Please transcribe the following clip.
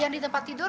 yang di tempat tidur